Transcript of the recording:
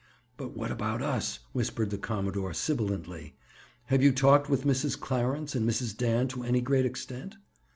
"But what about us?" whispered the commodore sibilantly. "Have you talked with Mrs. Clarence or Mrs. Dan to any great extent?"